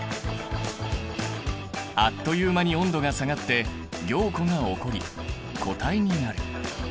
あっという間に温度が下がって凝固が起こり固体になる。